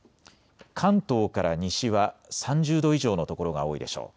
関東から西は３０度以上の所が多いでしょう。